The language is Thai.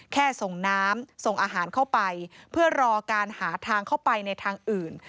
ส่งน้ำส่งอาหารเข้าไปเพื่อรอการหาทางเข้าไปในทางอื่น